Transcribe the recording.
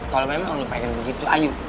kalau memang lo pengen begitu ayo